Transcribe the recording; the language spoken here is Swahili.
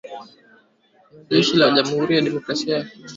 na jeshi la jamuhuri ya kidemokrasia ya Kongo kwa waandishi wa habari